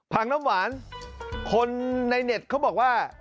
น้ำหวานคนในเน็ตเขาบอกว่า